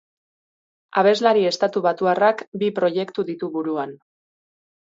Abeslari estatu batuarrak bi proiektu ditu buruan.